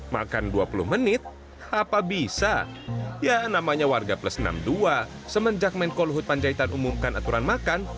makan dua puluh menit apa bisa ya namanya warga plus enam puluh dua semenjak menko luhut panjaitan umumkan aturan makan